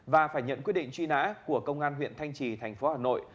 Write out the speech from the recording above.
và phải nhận quyết định truy nã của công an huyện thanh trì tp hà nội